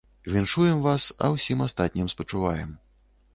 Віншуем вас, а ўсім астатнім спачуваем.